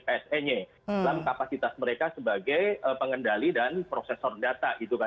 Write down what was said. pse nya dalam kapasitas mereka sebagai pengendali dan prosesor data